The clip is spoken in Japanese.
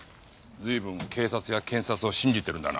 随分警察や検察を信じてるんだな。